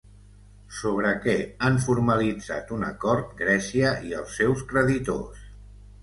Sobre què han formalitzat un acord Grècia i els seus creditors?